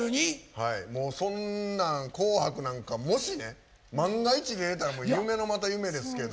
もうそんなん「紅白」なんかもしね万が一出れたら夢のまた夢ですけど。